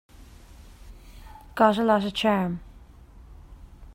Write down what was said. Got a lot of charm.